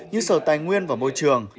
như sở tài nguyên và môi trường